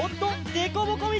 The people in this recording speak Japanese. でこぼこみち！